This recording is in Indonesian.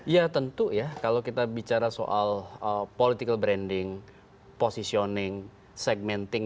ya tentu ya kalau kita bicara soal political branding positioning segmenting